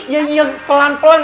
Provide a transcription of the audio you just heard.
ya iya pelan pelan